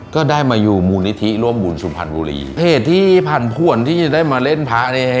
ก็ได้มาอยู่มูลนิธิร่วมบุญสุพรรณบุรีเหตุที่ผ่านผ่วนที่จะได้มาเล่นพระเนี่ยฮะ